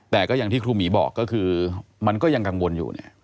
แต่ก็อย่างที่ครูหมีบอกก็คือมันก็ยังกังวลอยู่เนี่ย